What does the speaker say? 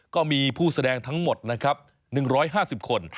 ก็มีผู้แสดงทั้งหมดนะครับ๑๕๐คน